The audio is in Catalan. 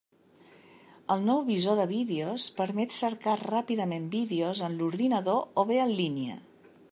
El nou visor de vídeos permet cercar ràpidament vídeos en l'ordinador o bé en línia.